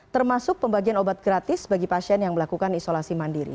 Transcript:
termasuk pembagian obat gratis bagi pasien yang melakukan isolasi mandiri